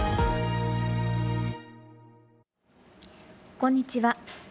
こんにちは。